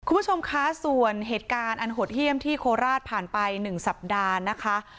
คุณผู้ชมคะส่วนเหตุการณ์อันหดเยี่ยมที่โคราชผ่านไป๑สัปดาห์นะคะ